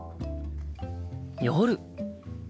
夜。